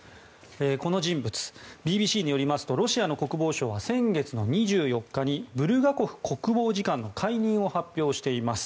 この人物、ＢＢＣによりますとロシアの国防省は先月の２４日にブルガコフ国防次官の解任を発表しています。